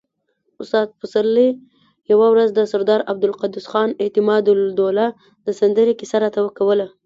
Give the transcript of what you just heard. استاد پسرلي يوه ورځ د سردار عبدالقدوس خان اعتمادالدوله د سندرې کيسه راته کوله.